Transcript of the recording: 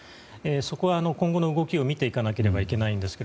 そこは、今後の動きを見ていかなければいけないんですが